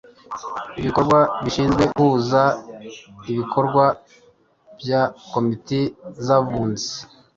ibikorwa bishinzwe guhuza ibikorwa bya komite z abunzi